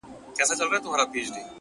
د خپلي ژبي په بلا ـ